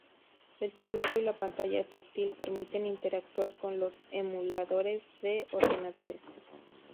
El teclado y la pantalla táctil permiten interactuar con los emuladores de ordenadores.